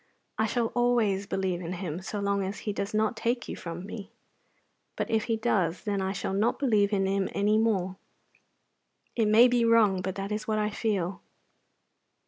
I shall always believe in Him so long as He does not take you from me. But if He does, then I shall not believe in Him any more. It may be wrong, but that is what I feel.